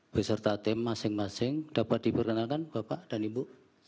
beserta tim masing masing dapat diperkenalkan bapak dan ibu